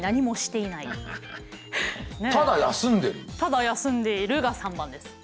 ただ休んでいるが３番です。